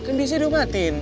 kan disini udah obatin